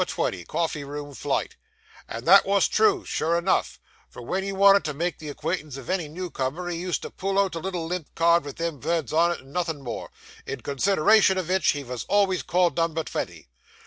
20, Coffee room Flight": and that wos true, sure enough, for wen he wanted to make the acquaintance of any new comer, he used to pull out a little limp card vith them words on it and nothin' else; in consideration of vich, he vos alvays called Number Tventy.